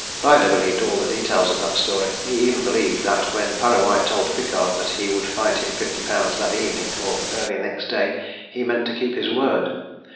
Byner believed all the details of that story he even believed that when Parrawhite told Pickard that he would find him fifty pounds that evening, or early next day, he meant to keep his word.